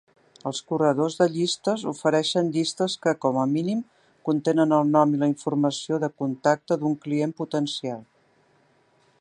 Els corredors de llistes ofereixen llistes que, com a mínim, contenen el nom i la informació de contacte d'un client potencial,